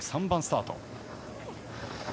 ３３番スタート。